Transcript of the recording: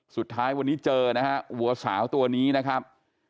สุดท้ายวันนี้เจอนะฮะวัวสาวตัวนี้นะครับ